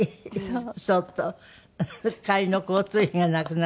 そうすると帰りの交通費がなくなって。